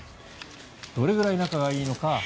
どれぐらい仲がいいのか。